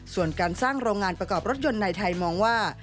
ส่วนการสร้างโรงงานประกอบรถยนต์ในไทยมองว่า